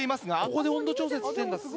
ここで温度調節してるんだ。